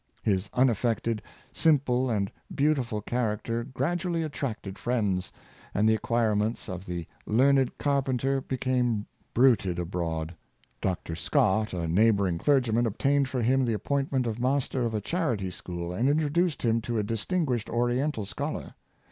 His unaffected, simple, and beautiful char acter gradually attracted friends, and the acquirements of the " learned carpenter " became bruited abroad. Dr. Scott, a neighboring clergyman, obtained for him the appointment of master of a charity school and in troduced him to a distinguishsd Oriental scholar.